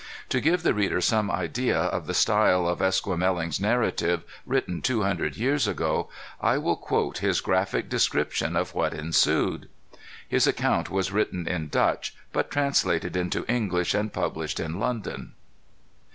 To give the reader some idea of the style of Esquemeling's narrative, written two hundred years ago,[A] I will quote his graphic description of what ensued: [Footnote A: His account was written in Dutch, but translated into English and published in London.